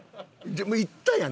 行ったやん